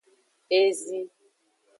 Ezi.